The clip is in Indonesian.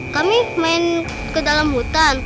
kami main ke dalam hutan